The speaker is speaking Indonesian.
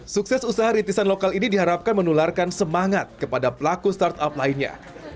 sukses usaha rintisan lokal ini diharapkan menularkan semangat kepada pelaku startup lainnya